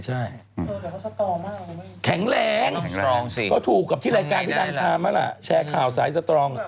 แข็งแรงก็ถูกกับที่รายการที่ดังทามั้นล่ะแชร์ข่าวสายสตรอง